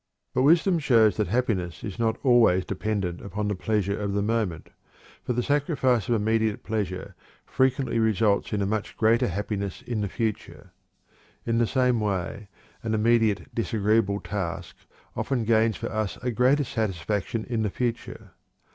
But wisdom shows that happiness is not always dependent upon the pleasure of the moment, for the sacrifice of immediate pleasure frequently results in a much greater happiness in the future. In the same way an immediate disagreeable task often gains for us a greater satisfaction in the future.